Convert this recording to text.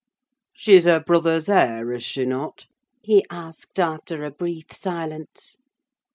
"She's her brother's heir, is she not?" he asked, after a brief silence.